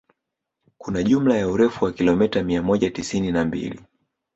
Kuna jumla ya urefu wa kilomita mia moja tisini na mbili